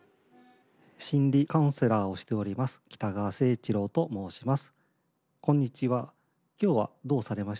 ・心理カウンセラーをしております北川清一郎と申します。